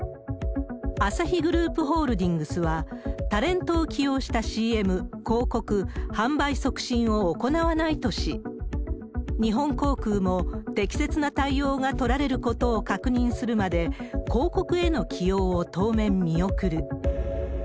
アサヒグループホールディングスは、タレントを起用したＣＭ、広告、販売促進を行わないとし、日本航空も、適切な対応が取られることを確認するまで、広告への起用を当面見送る。